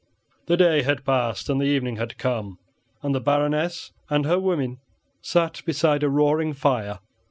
The day had passed and the evening had come, and the Baroness and her women sat beside a roaring fire.